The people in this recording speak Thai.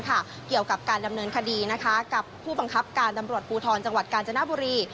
เกี่ยวกับการดำเนินคดีกับผู้บังคับการตำรวจภูทรจังหวัดกาญจนบุรี